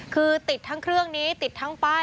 คือติดทั้งเครื่องนี้ติดทั้งป้าย